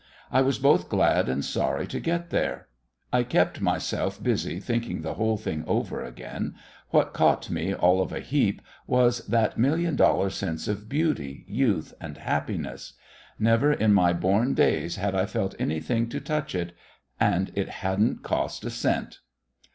I was both glad and sorry to get there. I kept myself busy thinking the whole thing over again. What caught me all of a heap was that million dollar sense of beauty, youth, and happiness. Never in my born days had I felt anything to touch it. And it hadn't cost a cent!